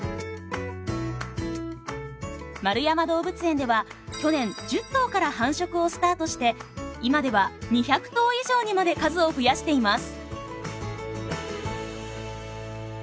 円山動物園では去年１０頭から繁殖をスタートして今では２００頭以上にまで数を増やしています。